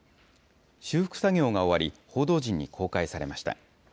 修復作業が終わり、報道陣に公開されました。